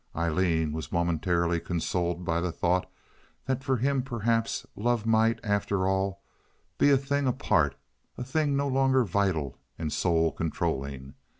Aileen was momentarily consoled by the thought that for him perhaps love might, after all, be a thing apart—a thing no longer vital and soul controlling.